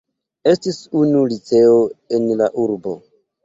Estis unu liceo en la urbo.